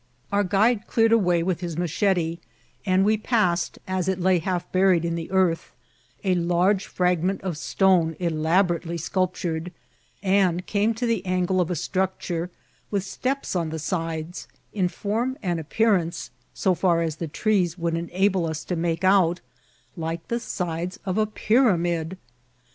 Our guide cleared a way with his ma« chete, and we passed, as it lay half buried in the earthy a large fragment of stone elaborately sculptured, and came to the angle of a structure with steps on the sides, in form and appearance, so far as the trees would ena« ble us to make it out, like the sides of a pyramid.